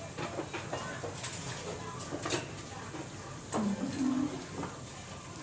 そんなことないか